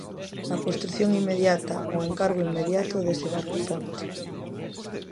A construción inmediata, o encargo inmediato dese barco ponte.